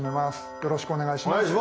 よろしくお願いします。